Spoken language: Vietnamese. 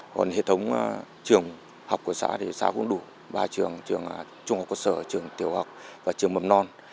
còn hệ thống trường học của xã thì xã cũng đủ ba trường trường trung học cơ sở trường tiểu học và trường mầm non